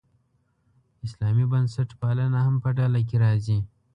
اسلامي بنسټپالنه هم په ډله کې راځي.